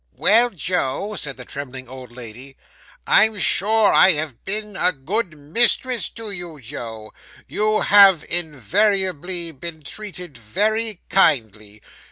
'Well, Joe,' said the trembling old lady. 'I'm sure I have been a good mistress to you, Joe. You have invariably been treated very kindly.